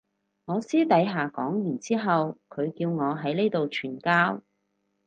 我私底下講完之後佢叫我喺呢度傳教